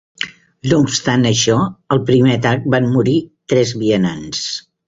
No obstant això, al primer atac, van morir tres vianants.